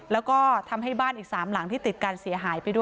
แล้วก็ทำให้บ้านอีก๓หลังที่ติดกันเสียหายไปด้วย